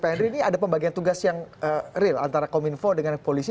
pak henry ini ada pembagian tugas yang real antara kominfo dengan polisi